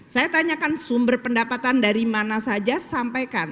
saya tanyakan sumber pendapatan dari mana saja sampaikan